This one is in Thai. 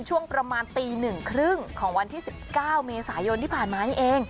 ช่วงประมาณตี๑๓๐ของวันที่๑๙เมษายนที่ผ่านมานี่เอง